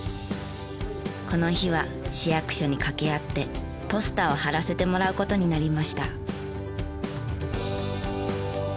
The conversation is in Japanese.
この日は市役所にかけ合ってポスターを貼らせてもらう事になりました。